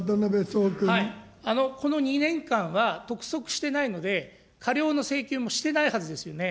この２年間は督促してないので、過料の請求もしてないはずですよね。